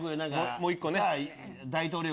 もう１個ね。